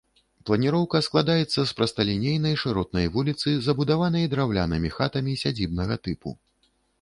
Планоўка складаецца з прасталінейнай шыротнай вуліцы, забудаванай драўлянымі хатамі сядзібнага тыпу.